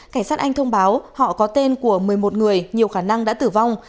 cảnh sát anh thông báo họ có tên của một mươi một người nhiều khả năng đã tử vong